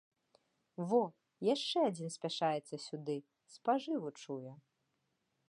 Во, яшчэ адзін спяшаецца сюды, спажыву чуе!